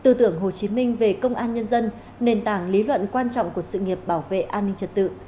tư tưởng hồ chí minh về công an nhân dân nền tảng lý luận quan trọng của sự nghiệp bảo vệ an ninh trật tự